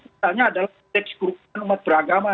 misalnya adalah indeks kurukan umat beragama